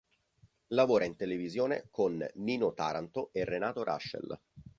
Lavora in televisione con Nino Taranto e Renato Rascel.